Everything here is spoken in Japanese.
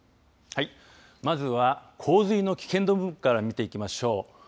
まずは洪水の危険度分布から見ていきましょう。